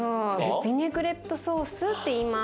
ビネグレットソースっていいます。